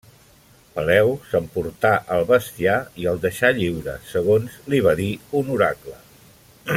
Peleu s'emportà el bestiar i el deixà lliure, segons li va dir un oracle.